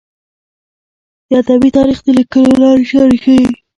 د ادبي تاریخ د لیکلو لارې چارې ښيي.